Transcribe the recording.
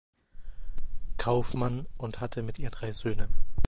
Kauffmann, und hatte mit ihr drei Söhne.